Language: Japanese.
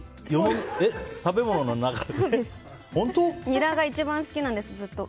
ニラが一番好きなんです、ずっと。